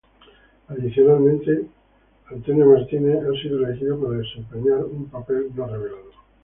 Adicionalmente, Josh Pais ha sido elegido para desempeñar un papel no revelado.